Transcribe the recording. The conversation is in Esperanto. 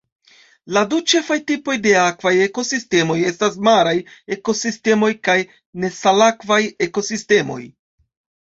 La du ĉefaj tipoj de akvaj ekosistemoj estas maraj ekosistemoj kaj nesalakvaj ekosistemoj.